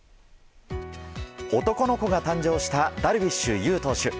男の子が誕生したダルビッシュ有投手。